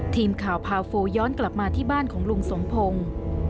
ทีมข่าวพาโฟย้อนกลับมาที่บ้านของลุงสมพงศ์